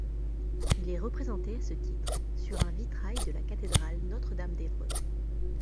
Il est représenté à ce titre sur un vitrail de la Cathédrale Notre-Dame d'Évreux.